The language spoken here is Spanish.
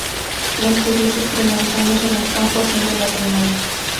Transcurrió sus primeros años en el campo, haciendo la primaria.